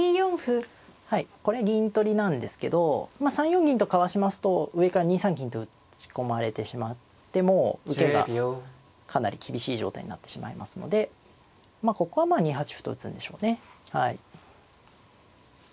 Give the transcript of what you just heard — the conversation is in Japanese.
３四銀とかわしますと上から２三銀と打ち込まれてしまってもう受けがかなり厳しい状態になってしまいますのでここはまあ２八歩と打つんでしょうね。